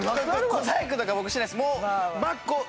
小細工とか僕しないです。